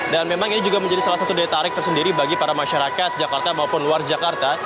dan memang ini juga menjadi salah satu detarik tersendiri bagi para masyarakat jakarta maupun luar jakarta